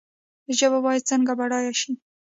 ژبه باید څنګه بډایه شي؟